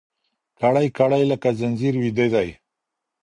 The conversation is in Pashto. كړۍ، كـړۍ لكه ځنځير ويـده دی